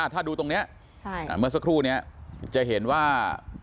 ถ้าดูตรงนี้เมื่อสักครู่นี้จะเห็นว่า